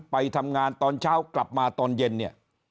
ไปทำงานตอนเช้ากลับมาตอนเย็นเนี่ย